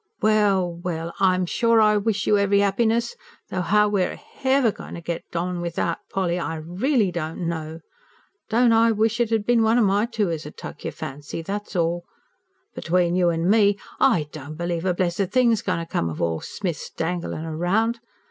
Well, well, I'm sure I wish you every 'appiness though 'ow we're h'ever goin' to get on without Polly, I reelly don't know. Don't I wish it 'ad bin one o' my two as 'ad tuck your fancy that's all! Between you an' me, I don't believe a blessed thing's goin' to come of all young Smith's danglin' round.